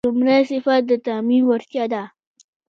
لومړی صفت د تعمیم وړتیا ده.